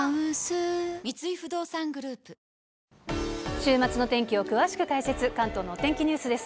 週末の天気を詳しく解説、関東のお天気ニュースです。